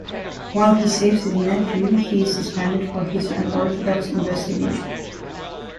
While he saves his nephew, he is suspended for his unorthodox investigation.